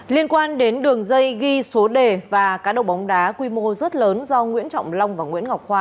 liên quan đến đường dây ghi số đề và cá độ bóng đá quy mô rất lớn do nguyễn trọng long và nguyễn ngọc khoa